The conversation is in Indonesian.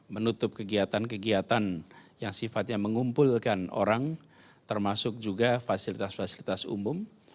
menutup kegiatan kegiatan yang sifatnya mengumpulkan orang termasuk juga fasilitas fasilitas umum